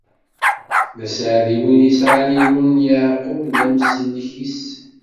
D aseɛdi win yesɛan Illu n Yeɛqub d amsellek-is.